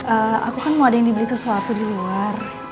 aku kan mau ada yang dibeli sesuatu di luar